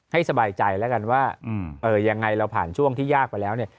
สบายใจแล้วกันว่ายังไงเราผ่านช่วงที่ยากไปแล้วเนี่ย